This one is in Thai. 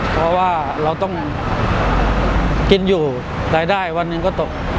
เพราะว่าเราต้องกินอยู่รายได้วันหนึ่งก็ตก